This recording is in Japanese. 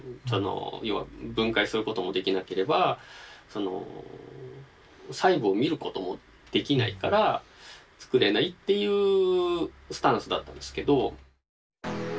要は分解することもできなければ細部を見ることもできないから作れないっていうスタンスだったんですけど。